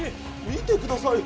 見てください！